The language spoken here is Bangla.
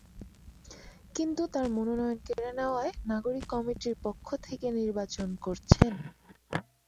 কিন্তু তাঁর মনোনয়ন কেড়ে নেওয়ায় নাগরিক কমিটির পক্ষ থেকে নির্বাচন করছেন।